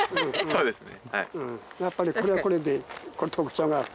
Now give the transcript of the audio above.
そうですね。